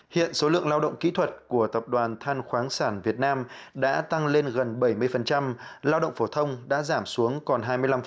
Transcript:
hiện số lượng lao động kỹ thuật của tập đoàn than khoáng sản việt nam đã tăng lên gần bảy mươi lao động phổ thông đã giảm xuống còn hai mươi năm